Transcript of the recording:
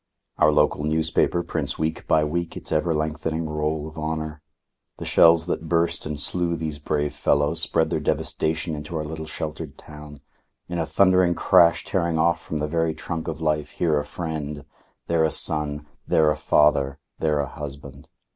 Our local newspaper prints week by week its ever lengthening Roll of Honour. The shells that burst and slew these brave fellows spread their devastation into our little sheltered town; in a thundering crash tearing off from the very trunk of life here a friend, there a son, there a father, there a husband.